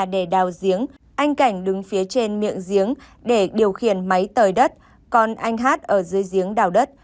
để đào giếng anh cảnh đứng phía trên miệng giếng để điều khiển máy tời đất còn anh hát ở dưới giếng đào đất